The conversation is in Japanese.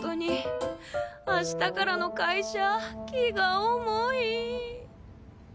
明日からの会社気が重い。